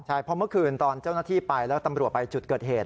ใช่เพราะเมื่อคืนตอนเจ้าหน้าที่ไปแล้วตำรวจไปจุดเกิดเหตุ